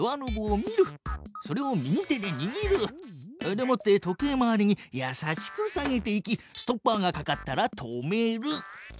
でもって時計回りにやさしく下げていきストッパーがかかったら止める。